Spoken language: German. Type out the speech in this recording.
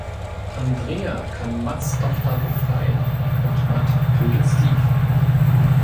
Andrea kann Matts Tochter befreien und Matt tötet Steve.